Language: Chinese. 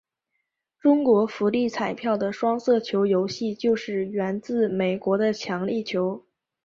中国福利彩票的双色球游戏就是源自美国的强力球。